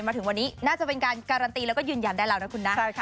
มาถึงวันนี้น่าจะเป็นการการันตีแล้วก็ยืนยันได้แล้วนะคุณนะ